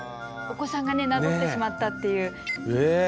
お子さんがねなぞってしまったっていう。